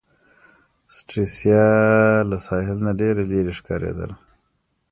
سټریسا له ساحل نه ډېره لیري ښکاریدل.